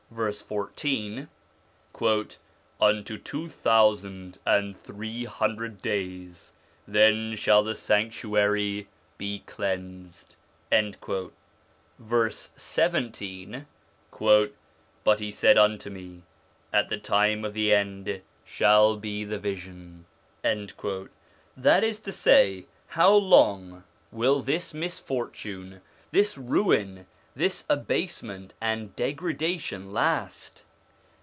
14) :' Unto two thousand and three hundred days; then shall the sanctuary be cleansed'; (v. 17) 'But he said unto me ... at the time of the end shall be the vision/ That is to say, how long will this misfortune, this ruin, this abasement and degradation last